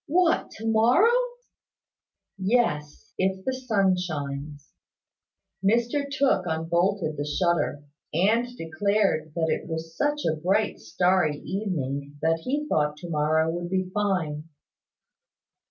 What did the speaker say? "What, to morrow?" "Yes, if the sun shines." Mr Tooke unbolted the shutter, and declared that it was such a bright starry evening that he thought to morrow would be fine.